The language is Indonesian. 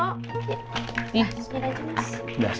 asghar aja mas